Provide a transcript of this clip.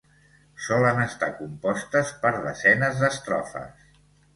Solen estar compostes per desenes d'estrofes.